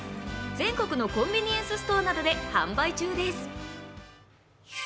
全国のコンビニエンスストアなどで販売中です